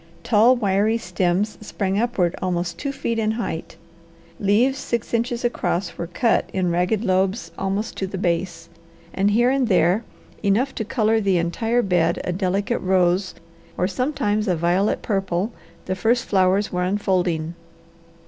Tall, wiry stems sprang upward almost two feet in height; leaves six inches across were cut in ragged lobes almost to the base, and here and there, enough to colour the entire bed a delicate rose or sometimes a violet purple, the first flowers were unfolding.